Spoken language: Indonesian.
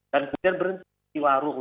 dan kemudian berhenti di warung